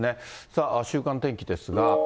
さあ、週間天気ですが。